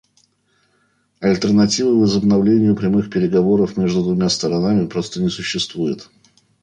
Альтернативы возобновлению прямых переговоров между двумя сторонами просто не существует.